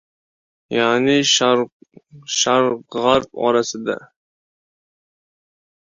Ya’ni Sharqu G‘arb orasida